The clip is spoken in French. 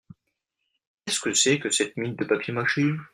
Qu’est-ce que c’est que cette mine de papier mâché ?